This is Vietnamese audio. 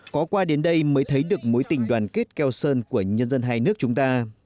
có qua đến đây mới thấy được mối tình đoàn kết keo sơn của nhân dân hai nước chúng ta